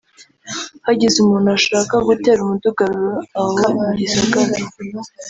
Hagize umuntu ashaka gutera umudugararo aha mu gisagara